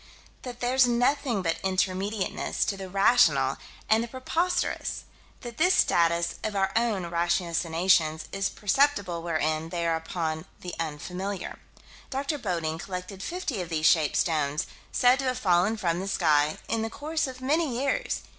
That there's nothing but intermediateness to the rational and the preposterous: that this status of our own ratiocinations is perceptible wherein they are upon the unfamiliar. Dr. Bodding collected 50 of these shaped stones, said to have fallen from the sky, in the course of many years.